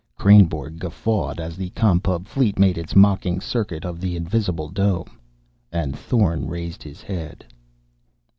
Kreynborg guffawed as the Com Pub fleet made its mocking circuit of the invisible dome. And Thorn raised his head.